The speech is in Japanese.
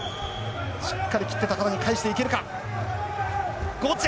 しっかり切って高谷返していけるか？